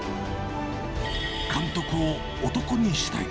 監督を男にしたい。